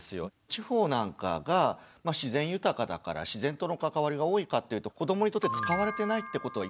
地方なんかが自然豊かだから自然との関わりが多いかっていうと子どもにとって使われてないってことはいっぱいあるんですよね。